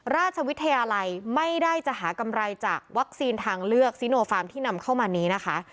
ราชวิทยาลัยไม่ได้จะหากำไรจากวัคซีนทางเลือกซิโนฟาร์มที่นำเข้ามานี้นะคะ